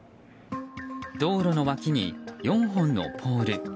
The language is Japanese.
道路の脇に４本のポール。